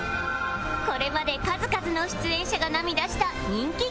これまで数々の出演者が涙した人気企画